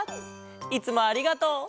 いつもありがとう！